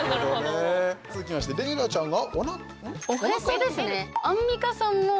続きまして、レイラちゃんが。